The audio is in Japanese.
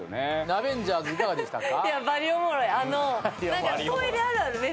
ナベンジャーズいかがでしたか？